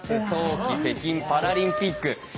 冬季北京パラリンピック。